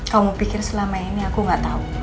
kamu pikir selama ini aku gak tahu